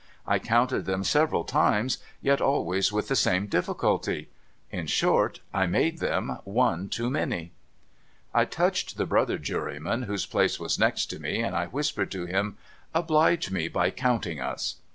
I counted them several times, yet always wdth the same difficulty. In short, I made them one too many. I touched the brother juryman whose place was next me, and I whispered to him, ' Oblige me by counting us.'